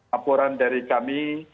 apuran dari kami